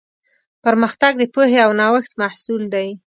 پرمختګ د پوهې او نوښت محصول دی.